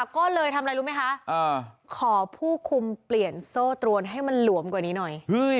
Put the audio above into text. ก็เลยทำอะไรรู้ไหมคะขอผู้คุมเปลี่ยนโซ่ตรวนให้มันหลวมกว่านี้หน่อย